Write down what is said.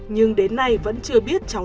nhưng đến nay vẫn chưa biết cháu